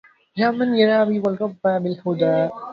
يا من يرابي والربا بالهدى